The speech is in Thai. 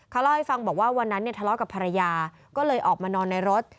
เขาเล่าให้ฟังบอกว่าวันนั้นเนี่ยทะเลาะกับภรรยาก็เลยออกมานอนในรถ